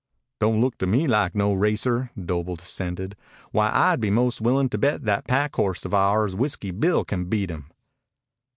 "Don't look to me like no racer," Doble dissented. "Why, I'd be 'most willin' to bet that pack horse of ours, Whiskey Bill, can beat him."